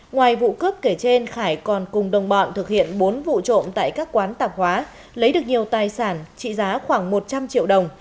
ngoài vụ cướp kể trên khải còn cùng đồng bọn thực hiện bốn vụ trộm tại các quán tạp hóa lấy được nhiều tài sản trị giá khoảng một trăm linh triệu đồng